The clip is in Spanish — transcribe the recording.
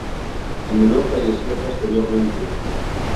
El menor falleció posteriormente.